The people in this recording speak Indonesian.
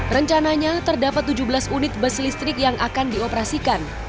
rencananya terdapat tujuh belas unit bus listrik yang akan dioperasikan